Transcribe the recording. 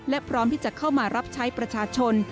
และพร้อมที่จะเข้ามารับใช้ประชาชน